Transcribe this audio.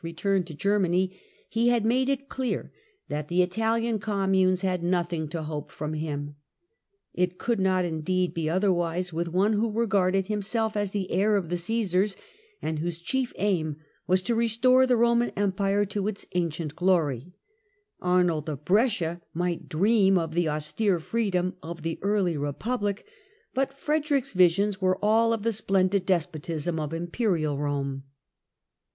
returned to Germany, he had made it clear that the Italian communes had nothing to hope from him. It could not, indeed, be otherwise with one who regarded himself as the heir of the Caesars, and whose chief aim was to restore the Roman Empire to its ancient glory, Arnold of Brescia might dream of the austere freedom of the early Republic, but Frederick's visions were all of the splendid despotism of Imperial Rome.